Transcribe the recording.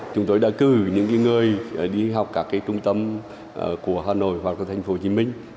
chúng tôi đã cử những người đi học các trung tâm của hà nội hoặc là thành phố hồ chí minh